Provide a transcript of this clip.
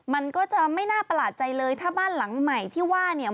มันก็จะไม่น่าประหลาดใจเลยถ้าบ้านหลังใหม่ที่ว่าเนี่ย